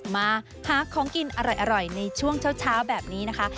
มาหาของกินอร่อยในช่วงเช้าแบบนี้นะคะ